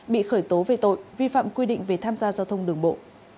bị khởi tố về tội vi phạm quy định về tham gia giao thông đường bộ